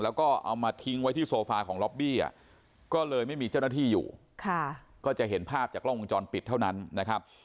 แล้วก็เอามาทิ้งไว้ที่โซฟาของล็อบบี้ก็เลยไม่มีเจ้าหน้าที่อยู่ก็จะเห็นภาพจากกล้องวงจรปิดเท่านั้นนะครับ